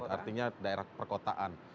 artinya daerah perkotaan